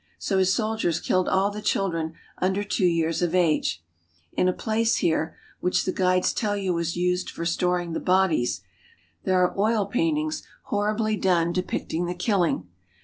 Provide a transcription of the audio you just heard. So his soldiers killed all the children under two years of age. In a place here, which the guides tell you was used for storing the bodies, there are oil paintings horribly 147 THE HOLY LAND AND SYRIA done depicting the killing.